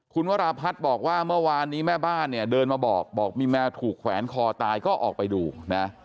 คุณวราพัฒน์บอกว่าเมื่อวานนี้แม่บ้านเนี่ยเดินมาบอกบอกมีแมวถูกแขวนคอตายก็ออกไปดูนะ